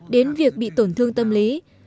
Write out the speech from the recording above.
đến việc bị tổn thương tâm lý